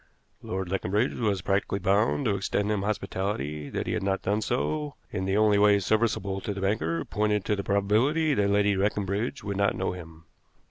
Lord Leconbridge was practically bound to extend him hospitality; that he had not done so, in the only way serviceable to the banker, pointed to the probability that Lady Leconbridge would not know him.